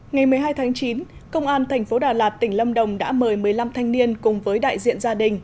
ngày một mươi hai tháng chín công an thành phố đà lạt tỉnh lâm đồng đã mời một mươi năm thanh niên cùng với đại diện gia đình